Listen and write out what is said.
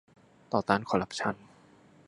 ต่อต้านคอร์รัปชั่น